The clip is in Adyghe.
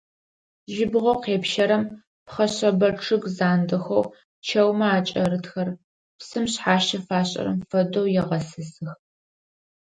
Жьыбгъэу къепщэрэм пхъэшъэбэ чъыг зандэхэу чэумэ акӀэрытхэр, псым шъхьащэ фашӀырэм фэдэу, егъэсысых.